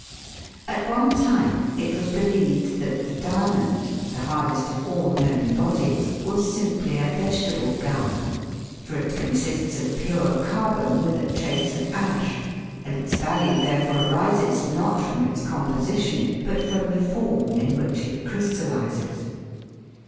At one time it was believed that the diamond, the hardest of all known bodies, was simply a vegetable gum, for it consists of pure carbon with a trace of ash, and its value therefore arises, not from its composition, but from the form in which it crystallises.